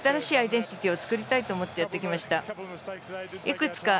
新しいアイデンティティーを作りたいと思ってやってきました。